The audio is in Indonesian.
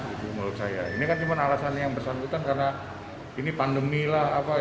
ini menurut saya ini kan cuma alasan yang bersangkutan karena ini pandemi lah